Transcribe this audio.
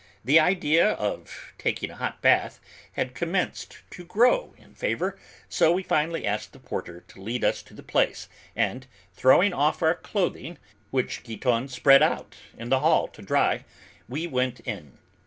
The idea of taking a hot bath had commenced to grow in favor, so we finally asked the porter to lead us to the place and, throwing off our clothing, which Giton spread out in the hall to dry, we went in.